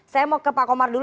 saya mau ke pak komar dulu